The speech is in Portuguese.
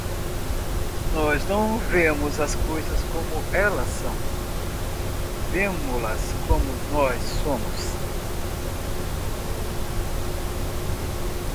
Nós não vemos as coisas como elas são, vemo-las como nós somos.